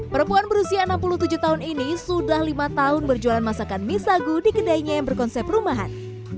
perempuan berusia enam puluh tujuh tahun ini sudah lima tahun berjualan masakan mie sagu di kedainya yang berkonsep rumahan